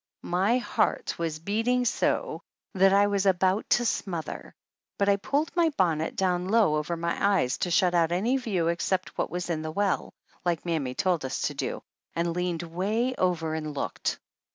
My heart was beating so that I was about to smother, but I pulled my bonnet down low over my eyes to shut out any view except what was in the well, like mammy told us to do, and leaned 'way over and looked.